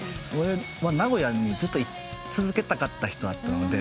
名古屋にずっと居続けたかった人だったので。